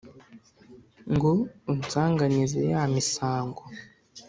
ngo unsanganize ya misango